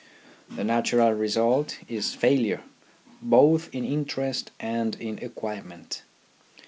The natural result is failure, both in interest and in acquirement.